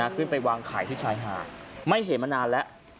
ขึ้นไปวางขายที่ชายหาดไม่เห็นมานานแล้ว